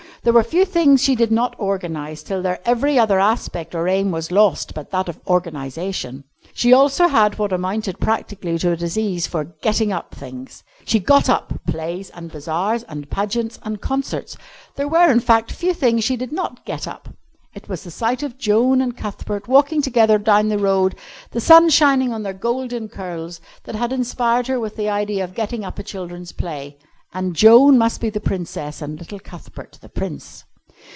There were few things she did not organise till their every other aspect or aim was lost but that of "organisation." She also had what amounted practically to a disease for "getting up" things. She "got up" plays, and bazaars, and pageants, and concerts. There were, in fact, few things she did not "get up." It was the sight of Joan and Cuthbert walking together down the road, the sun shining on their golden curls, that had inspired her with the idea of "getting up" a children's play. And Joan must be the Princess and little Cuthbert the Prince.